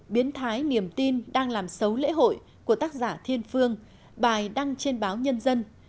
biến thái niềm tin đang làm xấu lễ hội của tác giả thiên phương bài đăng trên báo nhân dân